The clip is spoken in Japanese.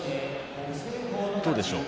どうでしょう？